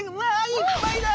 いっぱいだ！